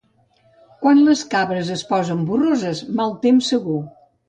Quan les cabres es posen borroses, mal temps segur.